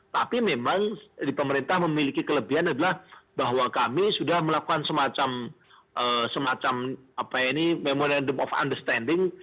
tapi memang di pemerintah memiliki kelebihan adalah bahwa kami sudah melakukan semacam memorandum of understanding